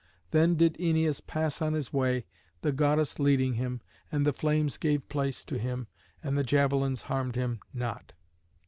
Then did Æneas pass on his way, the goddess leading him, and the flames gave place to him, and the javelins harmed him not.